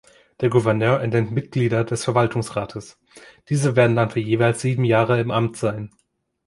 Der Gouverneur ernennt Mitglieder des Verwaltungsrates. Diese werden dann für jeweils sieben Jahre im Amt sein.